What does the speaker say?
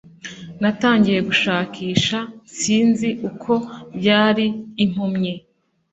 natangiye kugushakisha, sinzi uko byari impumyi.